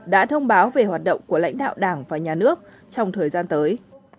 đã thông báo về hoạt động của lãnh đạo đảng và nhà nước trong thời gian tới